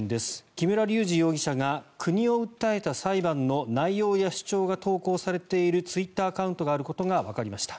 木村隆二容疑者が国を訴えた裁判の内容や主張が投稿されているツイッターアカウントがあることがわかりました。